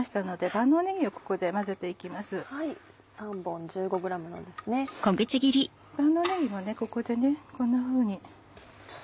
万能ねぎもここでこんなふうに。